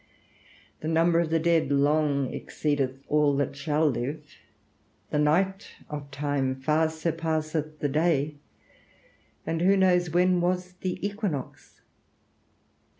The number of the dead long exceedeth all that shall live. The night of time far surpasseth the day; and who knows when was the equinox?